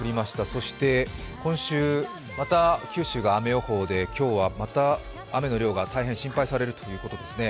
そして今週、また九州が雨予報でまた雨の量が大変心配されるということですね。